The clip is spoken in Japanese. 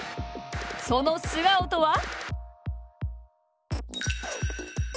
その素顔とは？